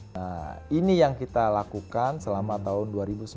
nah ini yang kita lakukan selama tahun dua ribu sembilan belas